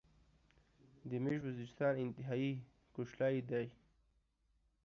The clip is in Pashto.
دې ميژ وزيرستان انتهایی کوشلاي داي